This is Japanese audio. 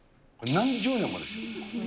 何十年もですよ。